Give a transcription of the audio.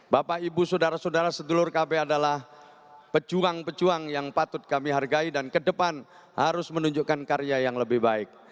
bapak ibu saudara saudara sedulur kb adalah pejuang pejuang yang patut kami hargai dan ke depan harus menunjukkan karya yang lebih baik